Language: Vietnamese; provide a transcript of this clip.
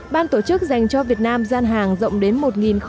ban tổ chức dành cho việt nam gian hàng rộng đến một hai mươi m hai